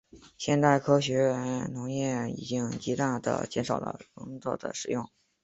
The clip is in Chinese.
现代农业科学已经极大地减少了耕作的使用。